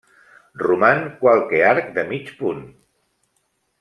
Roman qualque arc de mig punt.